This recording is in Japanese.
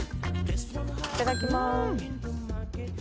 いただきます